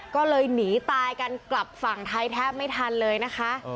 ก็เลยหนีตายกันกลับฝั่งไทยแทบไม่ทันเลยนะคะ